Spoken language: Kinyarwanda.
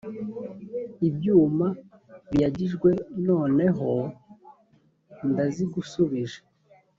ibyuma biyagijwe noneho ndazigushubije